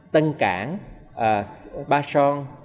tân cảng ba son